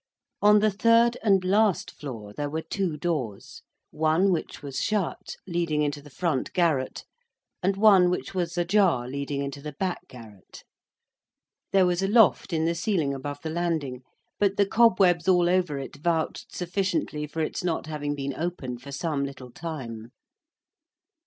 On the third, and last, floor, there were two doors; one, which was shut, leading into the front garret; and one, which was ajar, leading into the back garret. There was a loft in the ceiling above the landing; but the cobwebs all over it vouched sufficiently for its not having been opened for some little time.